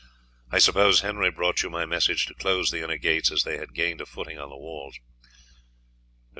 I suppose Henry brought you my message to close the inner gates, as they had gained a footing on the walls."